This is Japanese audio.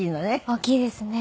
大きいですね。